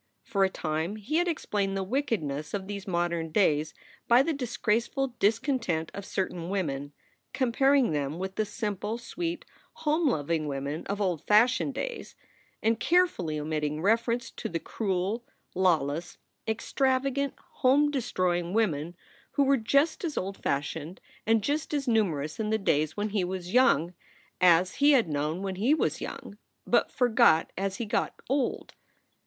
For a time he had explained "the wickedness of these modern days" by the disgraceful discontent of certain women, comparing them with the simple, sweet, home loving women of old fashioned days, and carefully omitting reference to the cruel, lawless, extravagant, home destroying SOULS FOR SALE 15 women who were just as old fashioned and just as numerous in the days when he was young as he had known when he was young, but forgot as he got old.